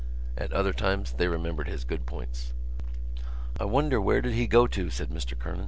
At other times they remembered his good points. "I wonder where did he go to," said Mr Kernan.